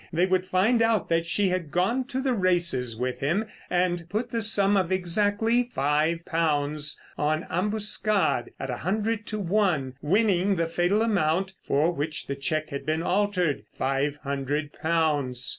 They would find out that she had gone to the races with him and put the sum of exactly five pounds on Ambuscade at a hundred to one, winning the fatal amount for which the cheque had been altered—five hundred pounds.